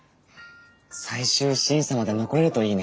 最終審査まで残れるといいね。